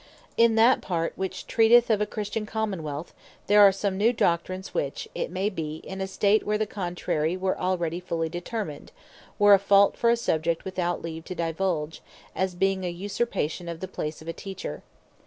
In that part which treateth of a Christian Common wealth, there are some new Doctrines, which, it may be, in a State where the contrary were already fully determined, were a fault for a Subject without leave to divulge, as being an usurpation of the place of a Teacher.